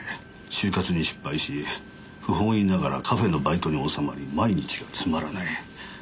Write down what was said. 就活に失敗し不本意ながらカフェのバイトに納まり毎日がつまらねえ。